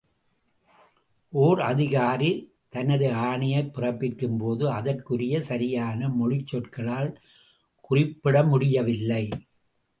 ஓர் அதிகாரி தனது ஆணைகளைப் பிறப்பிக்கும்போது அதற்குரிய சரியான மொழிச் சொற்களால் குறிப்பிட முடியவில்லை.